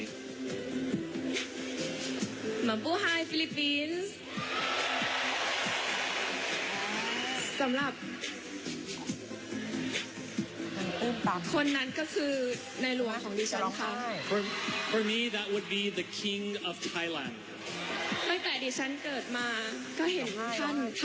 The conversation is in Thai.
มามปูฮายฟิลิปปีนส์